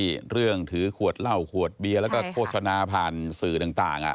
เรื่องถือขวดเหล้าขวดเบียร์แล้วก็โฆษณาผ่านสื่อต่าง